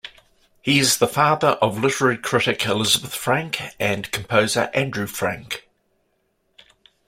He is the father of literary critic Elizabeth Frank and composer Andrew Frank.